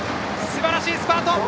すばらしいスパート。